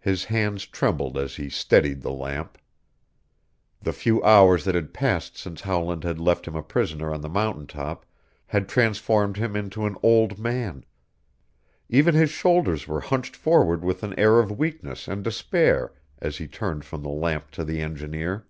His hands trembled as he steadied the lamp. The few hours that had passed since Howland had left him a prisoner on the mountain top had transformed him into an old man. Even his shoulders were hunched forward with an air of weakness and despair as he turned from the lamp to the engineer.